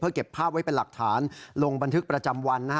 เก็บภาพไว้เป็นหลักฐานลงบันทึกประจำวัน